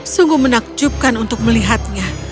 sungguh menakjubkan untuk melihatnya